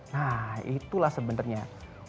nah itulah sebenarnya